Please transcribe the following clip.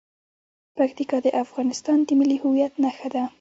پکتیکا د افغانستان د ملي هویت نښه ده.